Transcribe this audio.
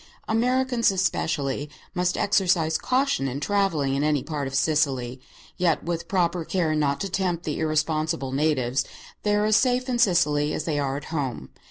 Americans, especially, must exercise caution in travelling in any part of Sicily; yet with proper care not to tempt the irresponsible natives, they are as safe in Sicily as they are at home.